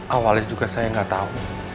awalnya juga saya nggak tahu